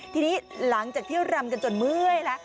ทีนี้หลังจากเที่ยวรำกันจนเมื่อยนะ